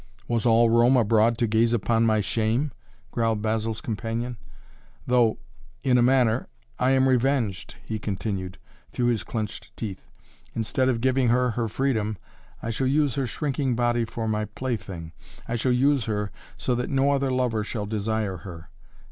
"Was all Rome abroad to gaze upon my shame?" growled Basil's companion. "Though in a manner I am revenged," he continued, through his clenched teeth. "Instead of giving her her freedom, I shall use her shrinking body for my plaything I shall use her so that no other lover shall desire her.